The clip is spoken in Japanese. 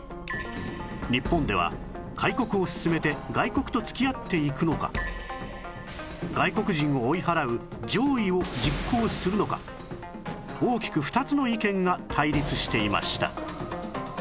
日本では開国を進めて外国と付き合っていくのか外国人を追い払う攘夷を実行するのか大きく２つの意見が対立していました